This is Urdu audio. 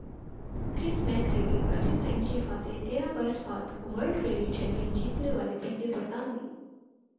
کرس میک ریلی ارجنٹائن کے فاتح تیرہ برس بعد ورلڈ ریلی چیمپئن جیتنے والے پہلے برطانوی